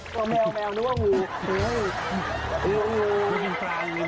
พี่รู้เลยครับว่าเม๋อนึกว่าหมู